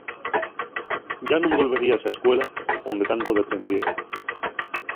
Yá nun volvería a esa Escuela onde tanto deprendiere.